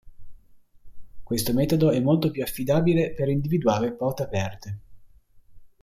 Questo metodo è molto più affidabile per individuare porte aperte.